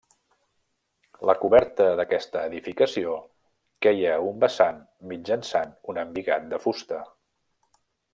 La coberta d'aquesta edificació queia a un vessant mitjançant un embigat de fusta.